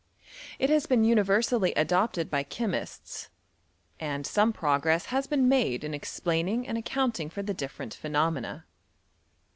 It has been universaily adojiiedbychemiats; andsome progcesB has been made m explaining and account ing for the different phenomena.